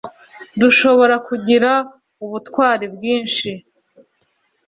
Dushobora kugira ubutwari bwinshi